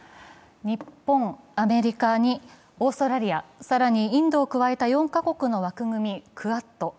日本、アメリカにオーストラリア、更にインドを加えた４カ国の枠組み・クアッド。